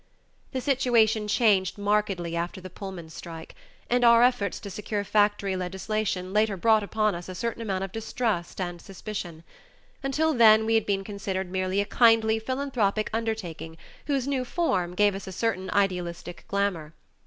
The situation changed markedly after the Pullman strike, and our efforts to secure factory legislation later brought upon us a certain amount of distrust and suspicion; until then we had been considered merely a kindly philanthropic undertaking whose new form gave us a certain idealistic glamour.